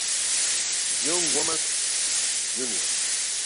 John Womack Jr.